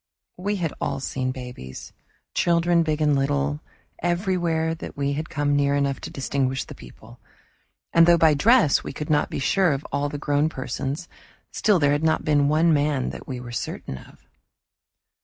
We had all seen babies, children big and little, everywhere that we had come near enough to distinguish the people. And though by dress we could not be sure of all the grown persons, still there had not been one man that we were certain of.